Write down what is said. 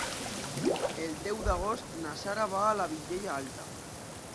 El deu d'agost na Sara va a la Vilella Alta.